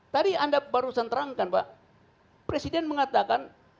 tadi anda barusan terangkan pak presiden mengatakan